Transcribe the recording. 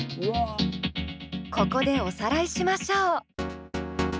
ここでおさらいしましょう。